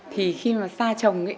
thì khi mà xa chồng ấy